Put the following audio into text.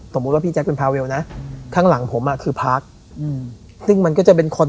สมมุติว่าพี่แจ็คเป็นนะข้างหลังผมอ่ะคืออืมซึ่งมันก็จะเป็น